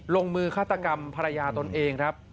ลงมือฆาตกรรมภรรยาตนเองครับ